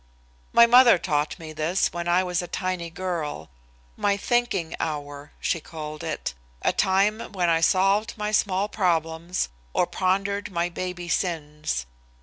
My mother taught me this when I was a tiny girl. My "thinking hour," she called it, a time when I solved my small problems or pondered my baby sins.